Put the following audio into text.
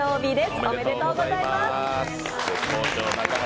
おめでとうございます。